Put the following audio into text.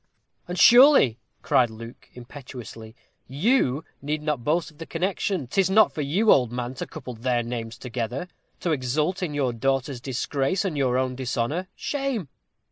"And, surely," cried Luke, impetuously, "you need not boast of the connection! 'Tis not for you, old man, to couple their names together to exult in your daughter's disgrace and your own dishonor. Shame!